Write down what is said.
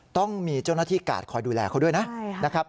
ต้องมีเจ้าหน้าที่กาดคอยดูแลเขาด้วยนะครับ